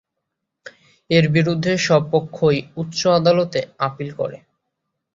এর বিরুদ্ধে সব পক্ষই উচ্চ আদালতে আপীল করে।